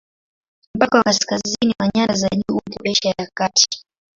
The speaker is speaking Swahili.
Mpaka wa kaskazini wa nyanda za juu upo Asia ya Kati.